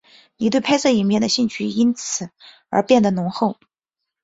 他对拍摄影片的兴趣因此而变得浓厚。